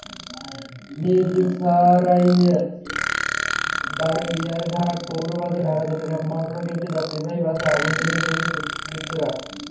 মিরসরাইয়ের বারইয়ারহাট পৌর বাজারে ঢাকা-চট্টগ্রাম মহাসড়কে একটি যাত্রীবাহী বাসে আগুন ধরিয়ে দিয়েছে দুর্বৃত্তরা।